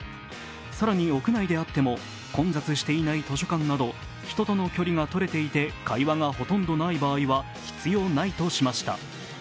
更に屋内であっても混雑していない図書館など、人との距離が取れていて会話がほとんどない場合は必要ないとしました。